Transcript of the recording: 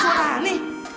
itu kan suara ani